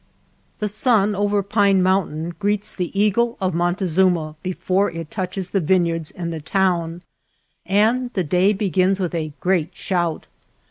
The sun over Pine Mountain greets the eagle of Montezuma before it touches the vineyards and the town, and the day begins with a great shout.